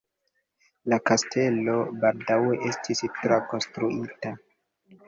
La kastelo baldaŭ estis trakonstruita.